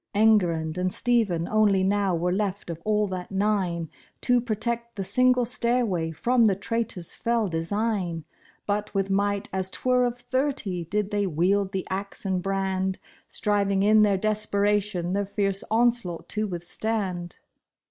Enguerrand and Stephen only now were left of all that nine, To protect the single stairway from the traitor's fell design ; But with might as 'twere of thirty, did they wield the axe and brand. Striving in their desperation the fierce onslaught to withstand.